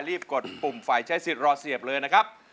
กดปุ่มฝ่ายใช้สิทธิ์รอเสียบเลยนะครับ